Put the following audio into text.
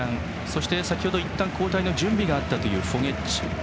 そしていったん交代の準備があったフォゲッチ。